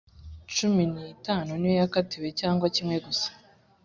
cumi n itanu niyo yakatiwe cyangwa kimwe gusa